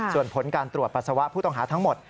ส่วนผลการตรวจปัสสาวะผู้ต้องหาทั้งหมด